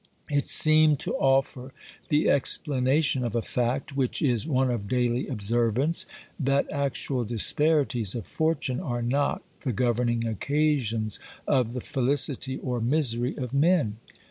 It seemed to offer the explanation of a fact which is one of daily observance, that actual disparities of fortune are not the governing occasions of the felicity or misery of men.